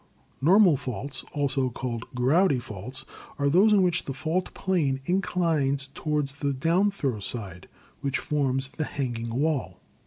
Normal Faults (also called gravity 168 GEOLOGY faults) are those in which the fault plane inclines to ward the downthrow side, which forms the hanging wall.